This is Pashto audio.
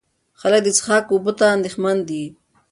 خلک د څښاک اوبو ته اندېښمن دي.